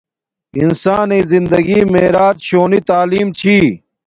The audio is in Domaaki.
انسانݵ زندگی معراج شونی تعلیم چھی